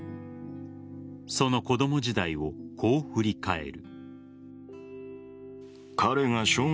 その子供時代をこう振り返る。